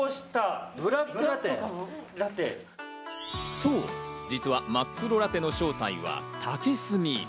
そう、実は真っ黒ラテの正体は竹炭。